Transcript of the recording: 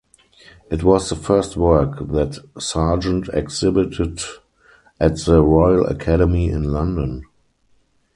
It was the first work that Sargent exhibited at the Royal Academy in London.